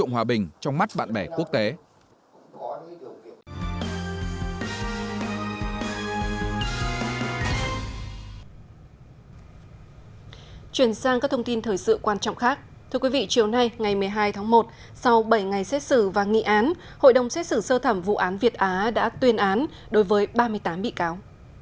hội đồng xét xử sơ thẩm vụ án việt á đã tuyên án đối với ba mươi tám bị cáo